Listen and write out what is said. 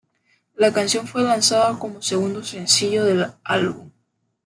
La canción fue lanzada como segundo sencillo del álbum.